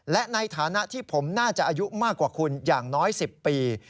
และในฐานะที่ผมน่าจะอายุมากกว่าคุณอย่างน้อย๑๐ปี